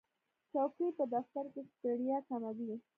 چوکۍ په دفتر کې ستړیا کموي.